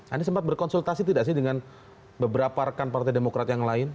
anda sempat berkonsultasi tidak sih dengan beberapa rekan partai demokrat yang lain